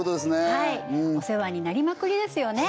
はいお世話になりまくりですよね